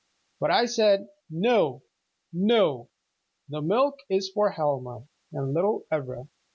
But I said, 'No, no. The milk is for Helma and little Ivra!